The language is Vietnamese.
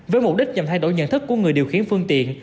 với mục đích nhằm thay đổi nhận thức của người điều khiển phương tiện